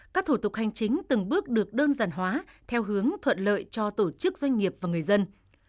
các thủ tục hành chính từng bước được đơn giản hóa theo hướng thuận lợi cho tổ chức doanh nghiệp và người dân